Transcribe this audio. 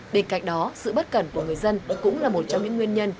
bên cạnh đó sự bất cẩn của người dân cũng là một trong những nguyên nhân